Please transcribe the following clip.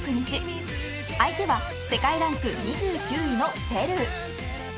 ［相手は世界ランク２９位のペルー］